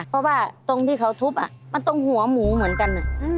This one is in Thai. เพราะว่าตรงที่เขาทุบมันตรงหัวหมูเหมือนกัน